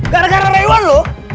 gara gara rewan lu